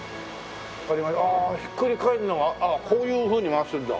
ひっくり返るのはこういうふうに回すんだ。